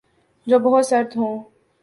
جو بہت سرد ہوں